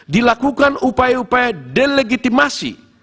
dilakukan upaya upaya delegitimasi